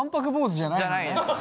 じゃないです。